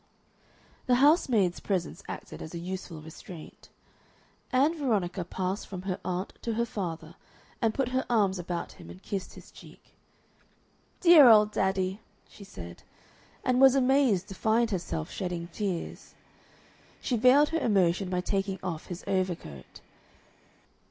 The housemaid's presence acted as a useful restraint. Ann Veronica passed from her aunt to her father, and put her arms about him and kissed his cheek. "Dear old daddy!" she said, and was amazed to find herself shedding tears. She veiled her emotion by taking off his overcoat.